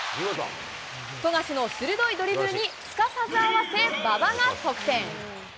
富樫の鋭いドリブルにすかさず合わせ、馬場が得点。